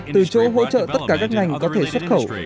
từ chỗ hỗ trợ tất cả các ngành có thể xuất khẩu